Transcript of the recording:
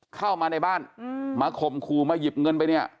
เข้ามาในบ้านมาข่มขู่มาหยิบเงินไปเนี่ย